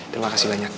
terima kasih banyak